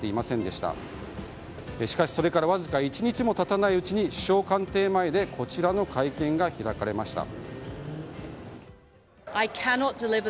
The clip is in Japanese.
しかし、それからわずか１日も経たないうちに首相官邸前でこちらの会見が開かれました。